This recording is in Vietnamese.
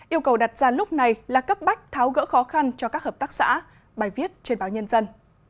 yêu cầu đặt ra lúc này là cấp bách tháo gỡ khó khăn cho các hợp tác xã bài viết trên báo nhân dân